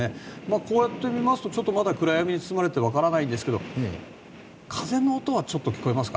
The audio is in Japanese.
こうやってみますとちょっとまだ暗闇に包まれていてわからないんですが風の音はちょっと聞こえますか。